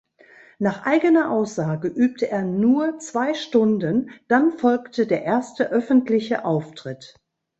Nach eigener Aussage übte er «nur» zwei Stunden, dann folgte der erste öffentliche Auftritt.